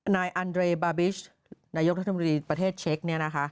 นายอันเรบาบิชนายกรัฐมนตรีประเทศเช็ค